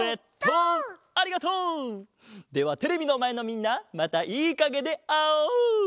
ではテレビのまえのみんなまたいいかげであおう！